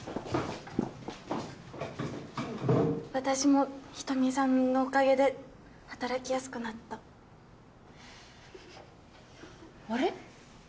私も人見さんのおかげで働きやすくなったあれ？